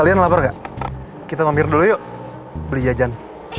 nih udah pcyclein aku sama ngapain